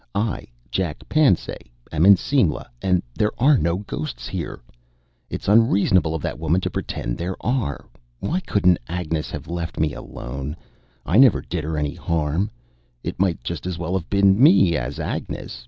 "I, Jack Pansay, am in Simla and there are no ghosts here. It's unreasonable of that woman to pretend there are. Why couldn't Agnes have left me alone? I never did her any harm. It might just as well have been me as Agnes.